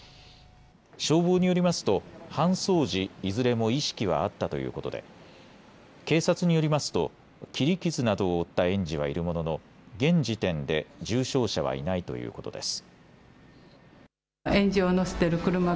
消防によりますと搬送時いずれも意識はあったということで警察によりますと切り傷などを負った園児はいるものの現時点で重傷者はいないということです。